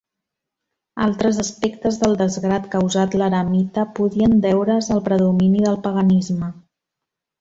Altres aspectes del desgrat causat l'eremita podien deure's al predomini del paganisme.